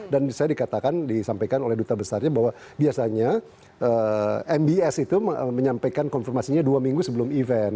dan saya dikatakan disampaikan oleh duta besarnya bahwa biasanya mbs itu menyampaikan konfirmasinya dua minggu sebelum event